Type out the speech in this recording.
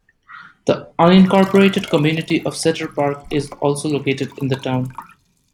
The unincorporated community of Cedar Park is also located in the town.